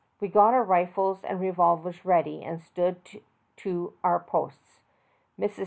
We got our rifles and re volvers ready and stood to our posts. Mrs.